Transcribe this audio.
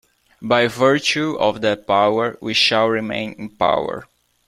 By virtue of that power we shall remain in power.